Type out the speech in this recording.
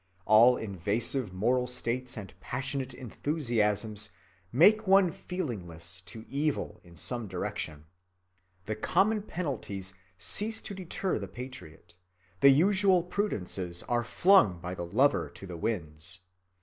All invasive moral states and passionate enthusiasms make one feelingless to evil in some direction. The common penalties cease to deter the patriot, the usual prudences are flung by the lover to the winds.